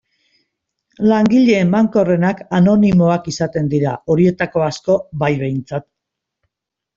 Langile emankorrenak anonimoak izaten dira, horietako asko bai behintzat.